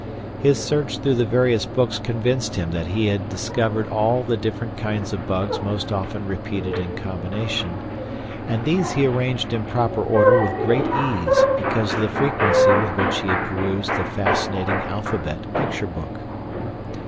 His search through the various books convinced him that he had discovered all the different kinds of bugs most often repeated in combination, and these he arranged in proper order with great ease because of the frequency with which he had perused the fascinating alphabet picture book.